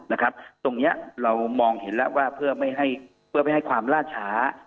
ตรงนี้เรามองเห็นแล้วว่าเพื่อไม่ให้ครามราชช้า